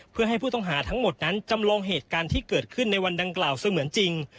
เพื่อให้ผู้ต้องหาทั้งหมดนั้นจำลองเหตุการณ์ที่เกิดขึ้นในวันดังกล่าวเสมือนจริง